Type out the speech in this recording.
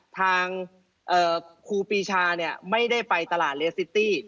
ทางครูปีชาไม่ได้ไปตลาดเลสซิตี้